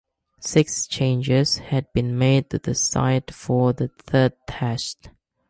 Six changes had been made to the side for the third test.